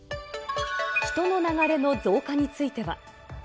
人の流れの増加については。